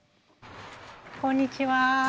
こんにちは。